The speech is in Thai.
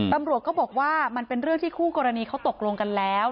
ตำรวจก็บอกว่ามันเป็นเรื่องที่คู่กรณีเขาตกลงกันแล้ว